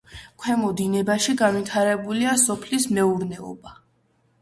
ქვემო დინებაში განვითარებულია სოფლის მეურნეობა.